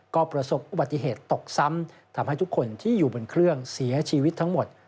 ก็ประสบอุบัติเหตุตกซ้ำทำให้ทุกคนที่อยู่บนเครื่องเสียชีวิตทั้งหมด